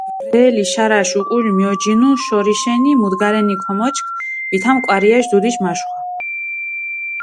ბრელი შარაშ უკული მიოჯინუ შორიშენი, მუდგარენი ქომოჩქ, ვითამ კვარიაში დუდიში მაშხვა.